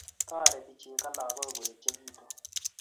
Toreti chego lagok koechikitu